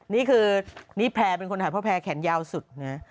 นี่คือนี่แพร่เป็นคนหายเพราะแพร่แขนยาวสุดนะ